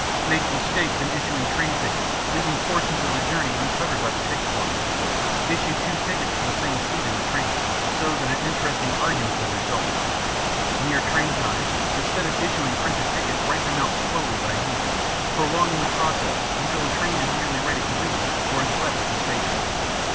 Make mistakes in issuing train tickets, leaving portions of the journey uncovered by the ticket book; issue two tickets for the same seat in the train, so that an interesting argument will result; near train time, instead of issuing printed tickets write them out slowly by hand, prolonging the process until the train is nearly ready to leave or has left the station.